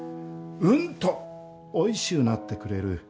うんとおいしゅうなってくれる。